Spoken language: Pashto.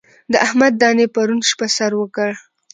د احمد دانې پرون شپه سر وکړ.